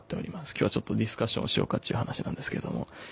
今日はちょっとディスカッションしようかっちゅう話なんですけど。